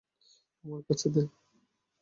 আমার কাছে দে।